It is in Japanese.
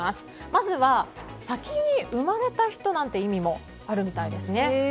まずは、先に生まれた人なんて意味もあるみたいです。